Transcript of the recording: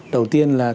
đầu tiên là